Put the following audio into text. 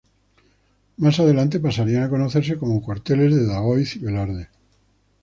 Más adelante pasarían a conocerse como cuarteles de Daoiz y Velarde.